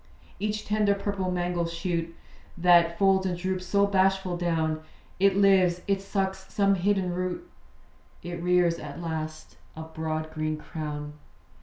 Each tender purple mango shoot, That folds and droops so bashful down; It lives; it sucks some hidden root; It rears at last a broad green crown.